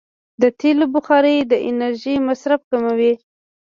د تېلو بخاري د انرژۍ مصرف کموي.